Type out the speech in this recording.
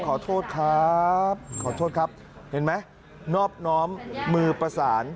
ขอโทษครับขอโทษครับเห็นไหมนอบน้อมมือประสาน